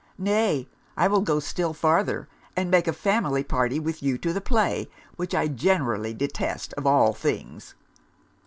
Nay, I will go still farther, and make a family party with you to the play, which I generally detest of all things.'